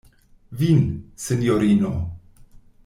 Vin, sinjorino!